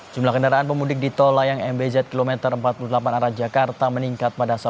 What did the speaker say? jumlah kendaraan pemudik di tol layang mbz kilometer empat puluh delapan arah jakarta meningkat pada